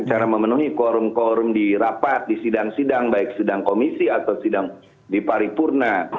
cara memenuhi quorum korum di rapat di sidang sidang baik sidang komisi atau sidang di paripurna